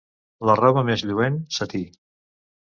La roba més lluent, setí.